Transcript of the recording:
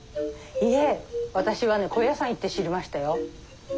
いえ私はね高野山行って知りましたよ。